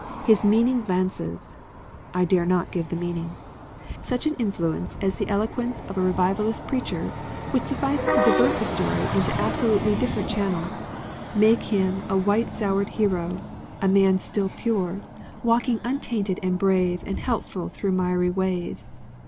His meaning glances! (I dare not give the meaning.) Such an influence as the eloquence of a revivalist preacher would suffice to divert the story into absolutely different channels, make him a white soured hero, a man still pure, walking untainted and brave and helpful through miry ways.